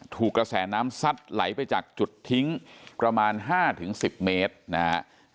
ถูกกระแสน้ำซัดไหลไปจากจุดทิ้งประมาณ๕๑๐เมตรนะครับ